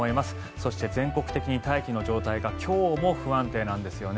そして全国的に大気の状態が今日も不安定なんですよね。